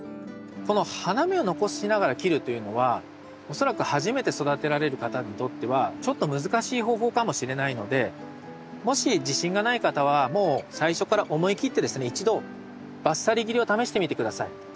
この花芽を残しながら切るというのは恐らく初めて育てられる方にとってはちょっと難しい方法かもしれないのでもし自信がない方はもう最初から思い切ってですね一度バッサリ切りを試してみて下さい。